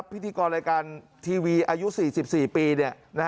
พิธีกรรายการทีวีอายุ๔๔ปี